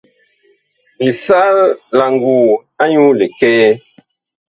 Bi sal la nguu anyuu likɛɛ.